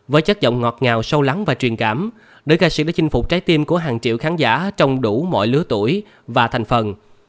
với chất giọng ngọt ngào sâu lắng và truyền cảm nữ ca sĩ đã chinh phục trái tim của hàng triệu khán giả trong đủ mọi lứa tuổi và thành phần